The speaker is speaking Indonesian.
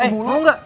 eh mau gak